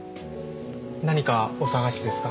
何かお探しですか？